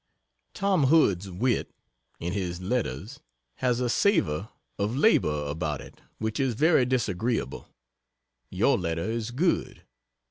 Tom Hood's wit, (in his letters) has a savor of labor about it which is very disagreeable. Your letter is good.